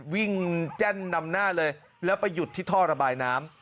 แจ้นนำหน้าเลยแล้วไปหยุดที่ท่อระบายน้ำ